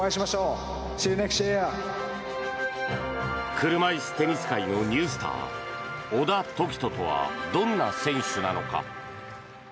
車いすテニス界のニュースター、小田凱人とはどんな選手なのか。